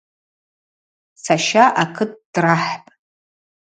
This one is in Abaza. Саща акыт драхӏпӏ.